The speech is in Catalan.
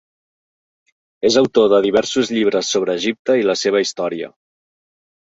És autor de diversos llibres sobre Egipte i la seva història.